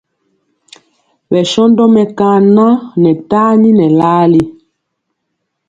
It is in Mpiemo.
Bɛshóndo mekaŋan ŋɛ tani ŋɛ larli.